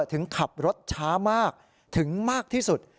ถึงขับรถช้ามากถึงมากที่สุด